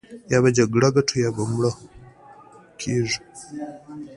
يا به جګړه ګټو يا به مرو.